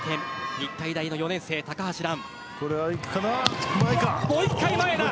日体大の４年生、高橋藍。